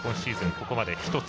ここまで１つ。